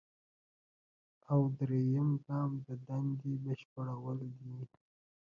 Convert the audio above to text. او دریم ګام د دندې بشپړول دي.